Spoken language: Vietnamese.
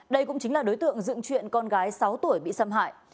đây cũng chính là đối tượng dựng chuyện con gái sáu tuổi bị xâm hại